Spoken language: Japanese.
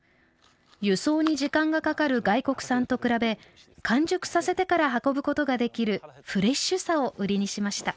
輸送に時間がかかる外国産と比べ完熟させてから運ぶことができるフレッシュさを売りにしました。